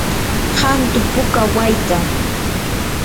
hantu puka wayta.